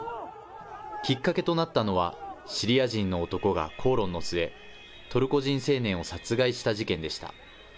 きっかけとなったのは、シリア人の男が口論の末、トルコ人青年を殺害した事件でした。